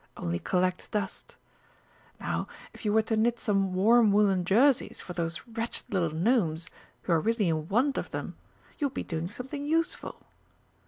Only collects dust. Now if you were to knit some warm woollen jerseys for those wretched little Gnomes, who are really in want of them, you would be doing something useful.